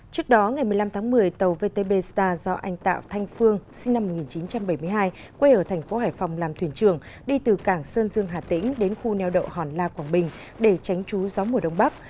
trước đó ngày một mươi năm tháng một mươi tàu vtb star do anh tạo thanh phương sinh năm một nghìn chín trăm bảy mươi hai quê ở thành phố hải phòng làm thuyền trưởng đi từ cảng sơn dương hà tĩnh đến khu neo đậu hòn la quảng bình để tránh trú gió mùa đông bắc